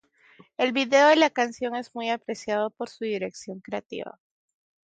El vídeo de la canción es muy apreciado por su dirección creativa.